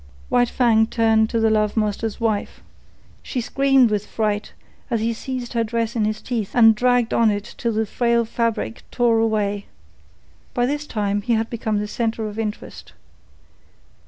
White Fang turned to the love master's wife. She screamed with fright as he seized her dress in his teeth and dragged on it till the frail fabric tore away. By this time he had become the centre of interest.